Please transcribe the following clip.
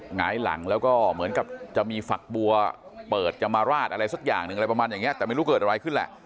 หงายหลังแล้วก็เหมือนกับจะมีฝักบัวเปิดจะมาราดอะไรสักอย่างหนึ่งอะไรประมาณอย่างนี้แต่ไม่รู้เกิดอะไรขึ้นแหละ